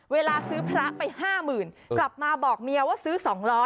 เวลาซื้อพระไป๕๐๐๐กลับมาบอกเมียว่าซื้อ๒๐๐